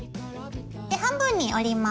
で半分に折ります。